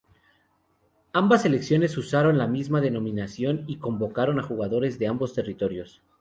Ambas selecciones usaron la misma denominación y convocaron a jugadores de ambos territorios.